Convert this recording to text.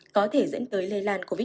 có thể dẫn tới lây lan covid một mươi